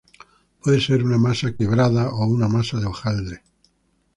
Puede ser una masa quebrada o una masa de hojaldre.